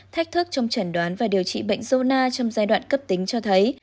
thách thức trong trần đoán và điều trị bệnh zona trong giai đoạn cấp tính cho thấy